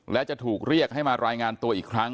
และจะถูกเรียกให้มารายงานตัวอีกครั้ง